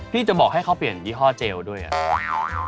จะบอกให้เขาเปลี่ยนยี่ห้อเจลด้วยอ่ะ